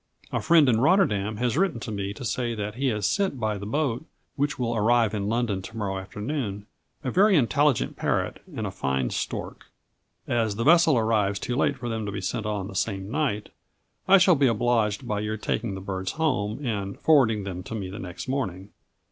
A friend in Rotterdam has written to me to say that he has sent by the boat, which will arrive in London to morrow afternoon, a very intelligent parrot and a fine stork. As the vessel arrives too late for them to be sent on the same night, I shall be obliged by your taking the birds home, and forwarding them to me the next morning.